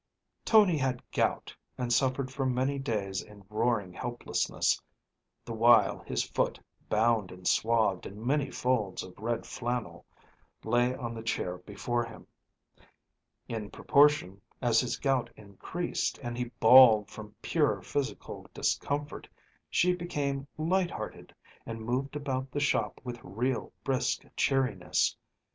Tony had gout, and suffered for many days in roaring helplessness, the while his foot, bound and swathed in many folds of red flannel, lay on the chair before him. In proportion as his gout increased and he bawled from pure physical discomfort, she became light hearted, and moved about the shop with real, brisk cheeriness.